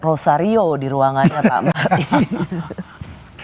rosario di ruangannya pak mari